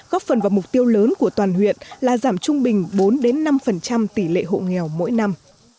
góp phần vào mục tiêu lớn của toàn huyện là giảm trung bình bốn năm tỷ lệ hộ nghèo mỗi năm